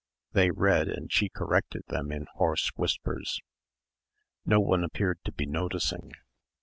They read and she corrected them in hoarse whispers. No one appeared to be noticing.